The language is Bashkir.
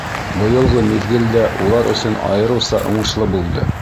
Быйылғы миҙгел дә улар өсөн айырыуса уңышлы булды.